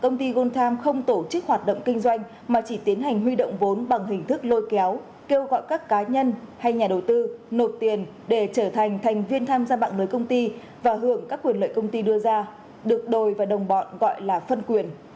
công ty gold time không tổ chức hoạt động kinh doanh mà chỉ tiến hành huy động vốn bằng hình thức lôi kéo kêu gọi các cá nhân hay nhà đầu tư nộp tiền để trở thành thành viên tham gia mạng lưới công ty và hưởng các quyền lợi công ty đưa ra được đồi và đồng bọn gọi là phân quyền